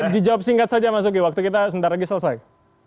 dijawab singkat saja mas uki waktu kita sebentar lagi selesai